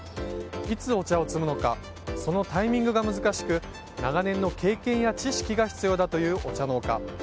いつお茶を摘むのかそのタイミングが難しく長年の経験や知識が必要だというお茶農家。